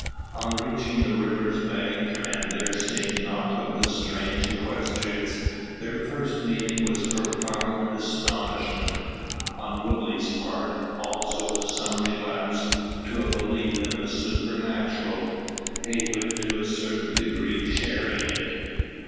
On reaching the river's bank, and there seeing nought of the strange equestrians, their first feeling was profound astonishment. On Woodley's part, also, some relapse to a belief in the supernatural; Heywood, to a certain degree, sharing it.